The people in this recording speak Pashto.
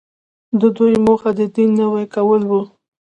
د دوی موخه د دین نوی کول وو.